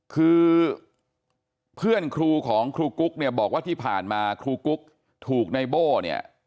คือเพื่อนครูของครูกุ๊กเนี่ยบอกว่าที่ผ่านมาครูกุ๊กถูกในโบ้เนี่ย